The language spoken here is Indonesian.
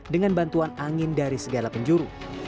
dengan bantuan angin dari segala penjuru